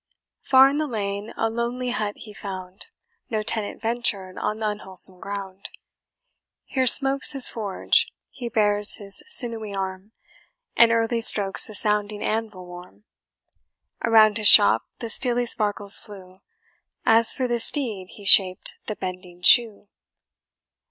Far in the lane a lonely hut he found, No tenant ventured on the unwholesome ground: Here smokes his forge, he bares his sinewy arm, And early strokes the sounding anvil warm; Around his shop the steely sparkles flew, As for the steed he shaped the bending shoe.